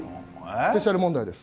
スペシャル問題です。